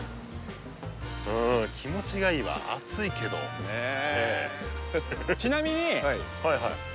うん気持ちがいいわ暑いけどねえ